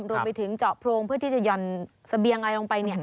เจาะโพรงเพื่อที่จะห่อนเสบียงอะไรลงไป